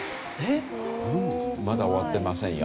まだ終わってませんよ。